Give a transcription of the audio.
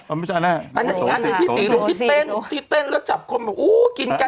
อ้าวไม่ใช่อันนั้นอันนั้นที่ศรีรุ้งที่เต้นที่เต้นแล้วจับคนแบบอู้กินกันกินกัน